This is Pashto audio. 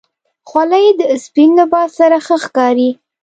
خولۍ د سپین لباس سره ښه ښکاري.